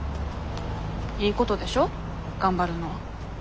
いいことでしょ頑張るのは。